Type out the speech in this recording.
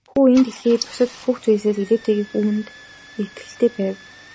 Хүү энэ дэлхийн бусад бүх зүйлсээс илүүтэйгээр үүнд итгэлтэй байв.